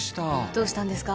どうしたんですか？